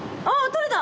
取れた！